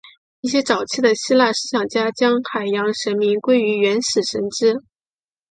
一些早期的希腊思想家将海洋神明归入原始神只。